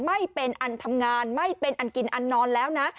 ไม่เป็นอันทำงานไม่เป็นอันกินอันนอนแล้วนะ